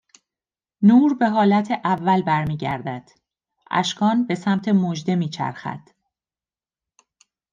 نور به حالت اول برمیگردد. اشکان به سمت مژده میچرخد